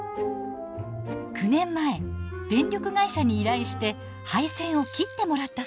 ９年前電力会社に依頼して配線を切ってもらったそうです。